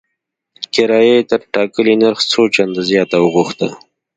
کرایه یې تر ټاکلي نرخ څو چنده زیاته وغوښته.